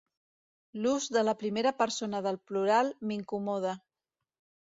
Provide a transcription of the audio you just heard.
L'ús de la primera persona del plural m'incomoda.